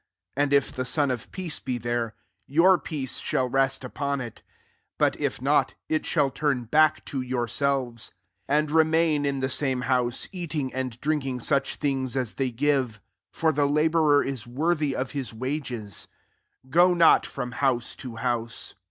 6 Atid if the son of peace be there^ your peace shall rest vipon k : but if not, it shall turn back'to 3Fourselv^. 7 And rentain in the same house, eating aad drinking such doings as tb^ give : for * the labourer is wi^^* t^ of his wages. G<y not frrai Innise'to house.